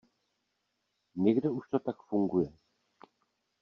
Někde už to tak funguje.